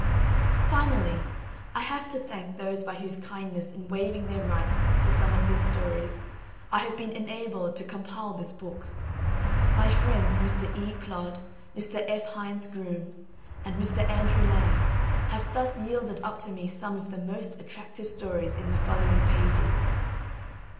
Finally, I have to thank those by whose kindness in waiving their rights to some of these stories, I have been enabled to compile this book. My friends Mr. E. Clodd, Mr. F. Hindes Groome, and Mr. Andrew Lang, have thus yielded up to me some of the most attractive stories in the following pages.